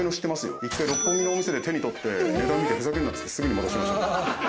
六本木のお店で手に取って値段見てふざけんなっつってすぐに戻しました。